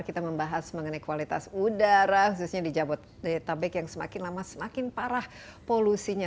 kita membahas mengenai kualitas udara khususnya di jabodetabek yang semakin lama semakin parah polusinya